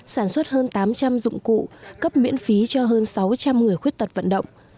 sản xuất hơn tám trăm linh dụng cụ cấp miễn phí cho hơn sáu trăm linh người khuyết tật vận động